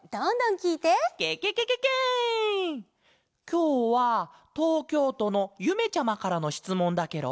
きょうはとうきょうとのゆめちゃまからのしつもんだケロ。